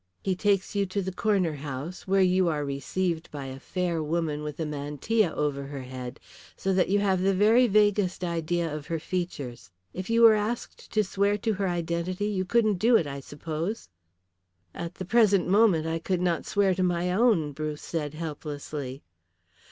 He takes you to the corner house, where you are received by a fair woman with a mantilla over her head so that you have the very vaguest idea of her features. If you were asked to swear to her identity you couldn't do it I suppose?" "At the present moment I could not swear to my own," Bruce said helplessly.